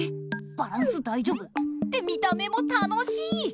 バランスだいじょぶ？って見た目も楽しい！